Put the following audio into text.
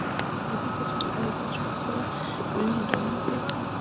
د دې تشکیل عایدات شپږ سوه میلیونه ډالر دي